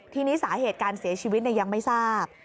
ทีนี้สาเหตุการเสียชีวิตยังไม่ทราบ